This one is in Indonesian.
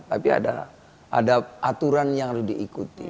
tapi ada aturan yang harus diikuti